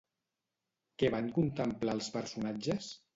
Què van contemplar els personatges?